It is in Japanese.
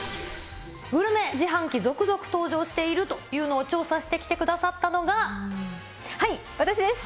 グルメ自販機が続々登場しているというのを調査してきてくださっはい、私です。